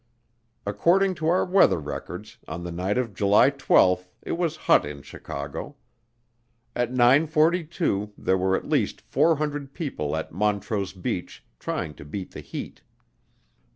According to our weather records, on the night of July 12 it was hot in Chicago. At nine forty two there were at least 400 people at Montrose Beach trying to beat the heat.